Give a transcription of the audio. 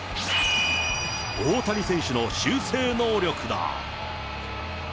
大谷選手の修正能力だ。